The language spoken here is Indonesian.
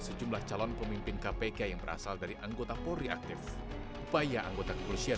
sejumlah calon pemimpin kpk yang berasal dari anggota polri aktif upaya anggota kepolisian